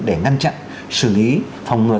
để ngăn chặn xử lý phòng ngừa